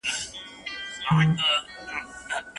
خاطرې مو په زړه کي وساتئ.